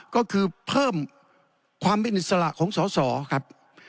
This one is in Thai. ก็คือเพิ่มความเป็นอิสระของสอสอครับ